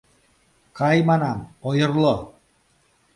Кай, манам, ойырло!